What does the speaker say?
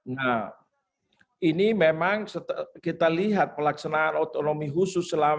nah ini memang kita lihat pelaksanaan otonomi khusus selama